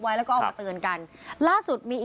ขาอ่ะเออเออโต๊ะไหนวะไม่ค่อยเอาไหมเออ